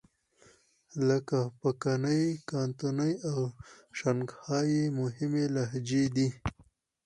لکه پکني، کانتوني او شانګهای یې مهمې لهجې دي.